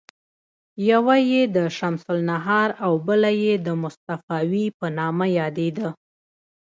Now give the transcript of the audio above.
یوه یې د شمس النهار او بله یې د مصطفاوي په نامه یادیده.